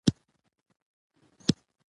د هغه بغیر د تاریخ څخه زده کړه ناممکن ده.